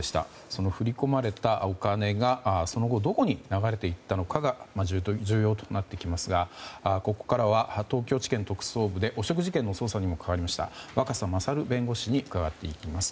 その振り込まれたお金がその後どこに流れていったのかが重要となってきますがここからは東京地検特捜部で汚職事件の捜査にも関わりました若狭勝弁護士に伺っていきます。